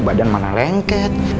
badan mana lengket